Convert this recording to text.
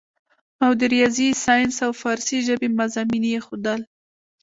او د رياضي سائنس او فارسي ژبې مضامين ئې ښودل